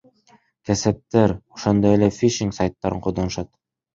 Кесептер ошондой эле, фишинг сайттарын колдонушат.